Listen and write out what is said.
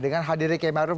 dengan hadirnya kiai ma'ruf